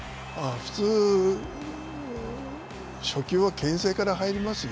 普通、初球はけん制から入りますよ。